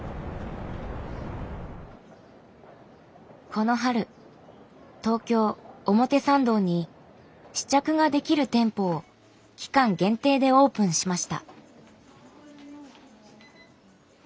この春東京・表参道に試着ができる店舗を期間限定でオープンしました。